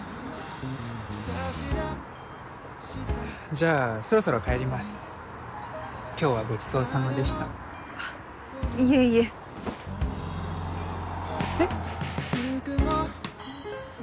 じゃあそろそろ帰ります今日はごちそうさまでしたいえいええっ？